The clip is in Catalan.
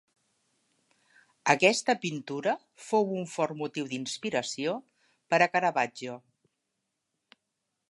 Aquesta pintura fou un fort motiu d'inspiració per a Caravaggio.